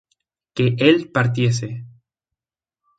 que él partiese